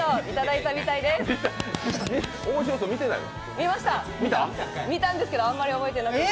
見ました、見たんですけどあんまり覚えてなくて。